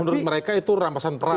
menurut mereka itu rampasan perang